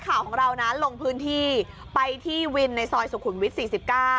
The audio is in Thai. ข่าวของเรานะลงพื้นที่ไปที่วินในซอยสุขุมวิทย์๔๙